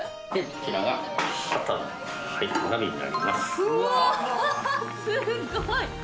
すっごい！